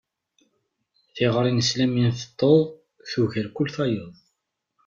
Tiɣri nesla mi nteṭṭeḍ, tugar kul tayeḍ.